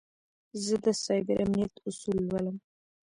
زه د سایبر امنیت اصول لولم.